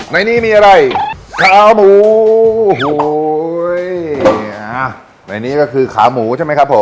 ในนี้มีอะไรขาหมูโอ้โหในนี้ก็คือขาหมูใช่ไหมครับผม